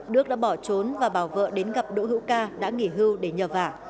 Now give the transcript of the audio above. đức đã bỏ trốn và bảo vợ đến gặp đỗ hữu ca đã nghỉ hưu để nhờ vả